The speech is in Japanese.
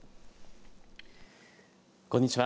こんにちは。